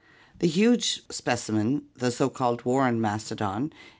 The huge specimen, the so called Warren mastodon, in the Flo.